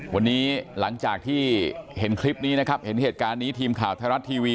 วันนี้หลังจากที่เห็นคลิปนี้นะครับเห็นเหตุการณ์นี้ทีมข่าวไทยรัฐทีวี